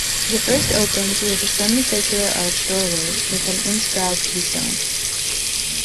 The first opens with a semicircular arch doorway with an inscribed keystone.